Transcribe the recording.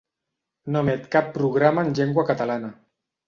No emet cap programa en llengua catalana.